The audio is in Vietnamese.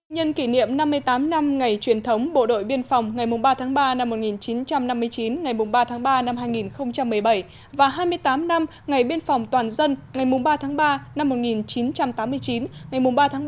nhân kỷ niệm năm mươi tám năm ngày truyền thống bộ đội biên phòng ngày ba ba một nghìn chín trăm năm mươi chín ngày ba ba hai nghìn một mươi bảy và hai mươi tám năm ngày biên phòng toàn dân ngày ba ba một nghìn chín trăm tám mươi chín ngày ba ba hai nghìn một mươi bảy